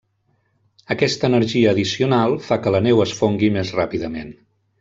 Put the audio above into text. Aquesta energia addicional fa que la neu es fongui més ràpidament.